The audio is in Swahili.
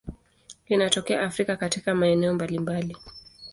Inatokea Afrika katika maeneo mbalimbali.